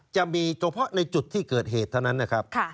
จะมีเฉพาะในจุดที่เกิดเหตุเท่านั้นนะครับ